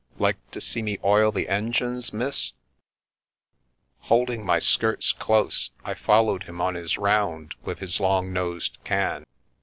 Like to see me oil the engines, miss ?" Holding my skirts close, I followed him on his round with his long nosed can.